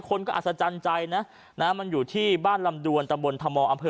คนก็อัศจรรย์ใจนะนะมันอยู่ที่บ้านลำดวนตะบนธมอำเภอ